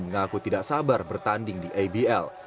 mengaku tidak sabar bertanding di abl